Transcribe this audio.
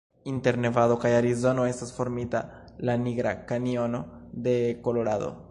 Inter Nevado kaj Arizono estas formita la Nigra Kanjono de Kolorado.